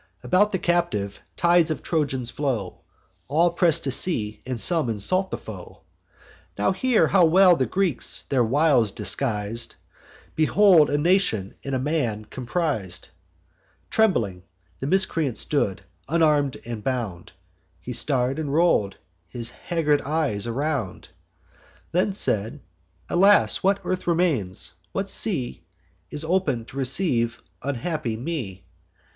About the captive, tides of Trojans flow; All press to see, and some insult the foe. Now hear how well the Greeks their wiles disguis'd; Behold a nation in a man compris'd. Trembling the miscreant stood, unarm'd and bound; He star'd, and roll'd his haggard eyes around, Then said: 'Alas! what earth remains, what sea Is open to receive unhappy me?